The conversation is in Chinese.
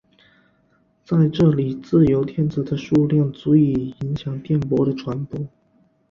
在这里自由电子的数量足以影响电波的传播。